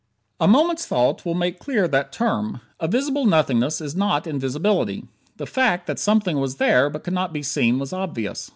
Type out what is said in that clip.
A moment's thought will make clear that term. A visible nothingness is not invisibility. The fact that something was there but could not be seen was obvious.